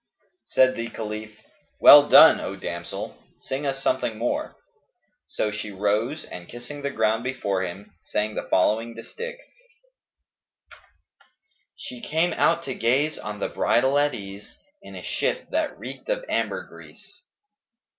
" Said the Caliph, "Well done, O damsel! Sing us something more." So she rose and kissing the ground before him, sang the following distich, "She came out to gaze on the bridal at ease * In a shift that reeked of ambergris."